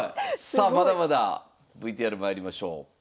さあまだまだＶＴＲまいりましょう。